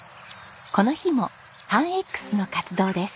この日も半Ｘの活動です。